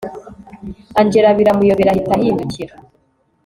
angella biramuyobera ahita ahindukira